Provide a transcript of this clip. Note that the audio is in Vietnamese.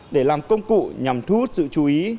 để làm công cụ nhằm thu hút sự chú ý